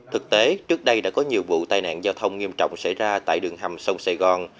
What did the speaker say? thực tế trước đây đã có nhiều vụ tai nạn giao thông nghiêm trọng xảy ra tại đường hầm sông sài gòn